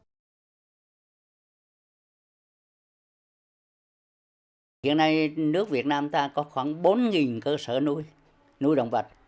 hiện nay nước việt nam ta có khoảng bốn cơ sở nuôi nuôi động vật